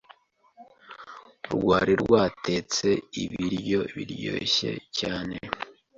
rwari rwatetse ibiryo biryoshye cyane.